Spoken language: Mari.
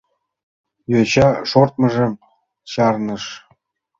Йоча шортмыжым чарныш.